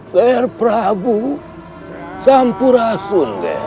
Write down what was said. seher prabu sampurasun gen